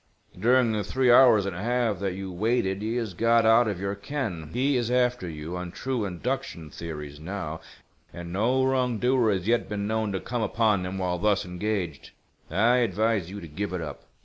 During the three hours and a half that you waited he has got out of your ken. He is after you on true induction theories now, and no wrongdoer has yet been known to come upon him while thus engaged. I advise you to give it up."